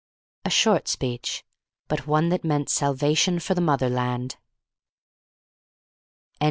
A short speech, but one that meant salvation for the motherland.